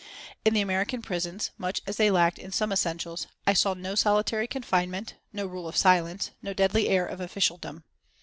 In the American prisons, much as they lacked in some essentials, I saw no solitary confinement, no rule of silence, no deadly air of officialdom.